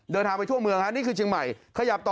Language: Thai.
เดินทางไปทั่วเมืองนี่คือเชียงใหม่